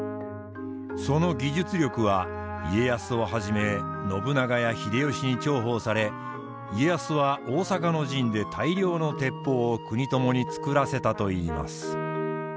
その技術力は家康をはじめ信長や秀吉に重宝され家康は大坂の陣で大量の鉄砲を国友に作らせたといいます。